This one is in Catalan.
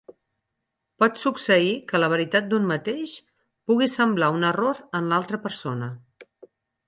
Pot succeir que la veritat d'un mateix pugui semblar un error a l'altra persona.